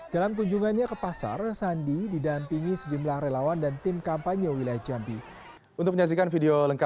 dalam kunjungannya ke pasar sandi didampingi sejumlah relawan dan tim kampanye wilayah jambi